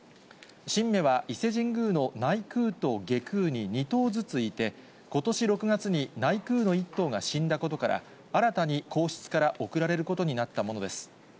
神馬は伊勢神宮の内宮と外宮に２頭ずついて、ことし６月に内宮の１頭が死んだことから、新たに皇室から贈られることになったものです。